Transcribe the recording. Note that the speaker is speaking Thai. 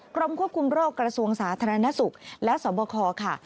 กรมควบคุมโรคกระทรวงสาธารณสุขและสวบคค่ะ